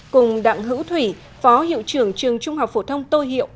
cùng đặng hữu thủy phó hiệu trưởng trường trung học phổ thông tô hiệu